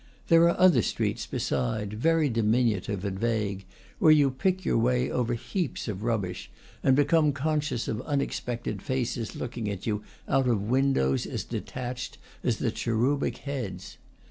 There are other streets, beside, very diminutive and vague, where you pick your way over heaps of rubbish and become conscious of unexpected faces looking at you out of windows as detached as the cherubic heads.